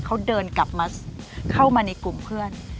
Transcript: เขาเดินกลับมาเข้ามาในกลุ่มเพื่อน